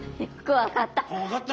わかった？